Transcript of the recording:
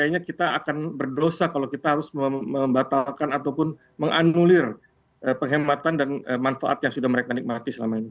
kayaknya kita akan berdosa kalau kita harus membatalkan ataupun menganulir penghematan dan manfaat yang sudah mereka nikmati selama ini